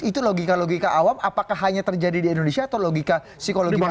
itu logika logika awam apakah hanya terjadi di indonesia atau logika psikologi mereka